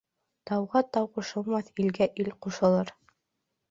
Тауға тау ҡушылмаҫ, илгә ил ҡушылыр.